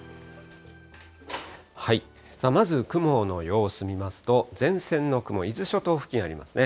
まず雲の様子見ますと、前線の雲、伊豆諸島付近ありますね。